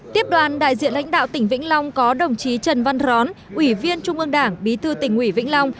tiếp đoàn đại diện lãnh đạo tỉnh vĩnh long có đồng chí trần văn rón ủy viên trung ương đảng bí thư tỉnh ủy vĩnh long